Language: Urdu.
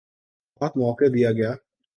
بہت موقع دیا گیا۔